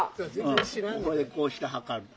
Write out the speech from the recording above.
ここでこうして測るの。